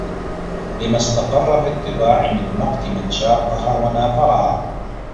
لِمَا اسْتَقَرَّ فِي الطِّبَاعِ مِنْ مَقْتِ مَنْ شَاقَّهَا وَنَافَرَهَا